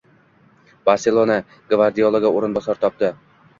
“Barselona” Gvardiolaga o‘rinbosar topdi